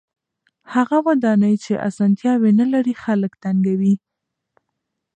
هغه ودانۍ چې اسانتیاوې نلري خلک تنګوي.